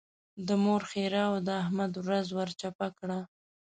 د مور ښېراوو د احمد ورځ ور چپه کړه.